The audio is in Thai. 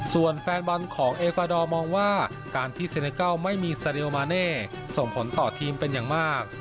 ส่วนแฟนบอลของเอฟาดอร์มองว่าการที่เซเนเกิลไม่มีซาเดลมาเน่ส่งผลต่อทีมเป็นอย่างมาก